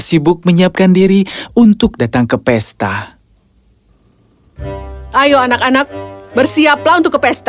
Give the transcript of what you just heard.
sibuk menyiapkan diri untuk datang ke pesta ayo anak anak bersiaplah untuk ke pesta